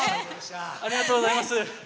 ありがとうございます。